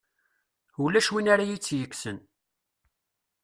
Ulac win ara iyi-tt-yekksen.